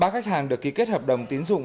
ba khách hàng được ký kết hợp đồng tiến dụng